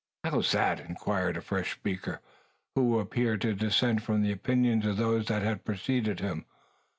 "How's that?" inquired a fresh speaker, who appeared to dissent from the opinions of those that had preceded him.